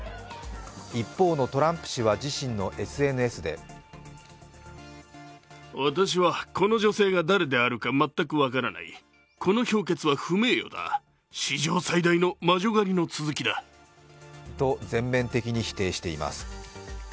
一方のトランプ氏は自身のＳＮＳでと全面的に否定しています。